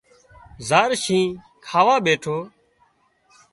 زار شينهن کاوا ٻيٺو